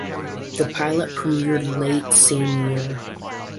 The pilot premiered late same year.